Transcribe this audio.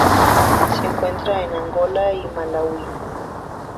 Se encuentra en Angola y Malaui.